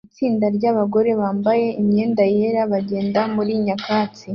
Itsinda ryabagore bambaye imyenda yera bagenda muri nyakatsi